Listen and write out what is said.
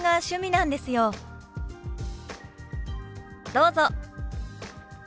どうぞ。